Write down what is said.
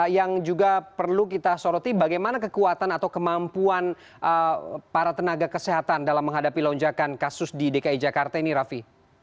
yang juga perlu kita soroti bagaimana kekuatan atau kemampuan para tenaga kesehatan dalam menghadapi lonjakan kasus di dki jakarta ini raffi